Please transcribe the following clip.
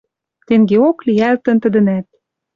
Тенгеок лиӓлтӹн тӹдӹнӓт.